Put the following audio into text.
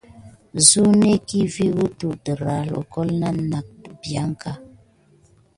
Zunekiy vi wutu terake léklole nata dimpiaka.